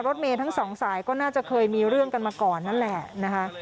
รถเมย์ทั้งสองสายก็น่าจะเคยมีเรื่องกันมาก่อนนั่นแหละนะคะ